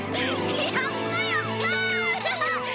やったやった！